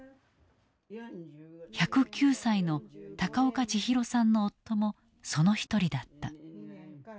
１０９歳の高岡千尋さんの夫もその一人だった。